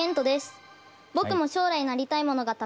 僕も将来なりたいものがたくさんあります。